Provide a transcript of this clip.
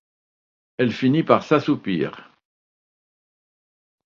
Elle finit par s'assoupir.